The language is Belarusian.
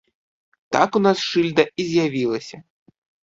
Так у нас шыльда і з'явілася.